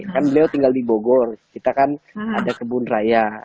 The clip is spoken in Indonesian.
kan beliau tinggal di bogor kita kan ada kebun raya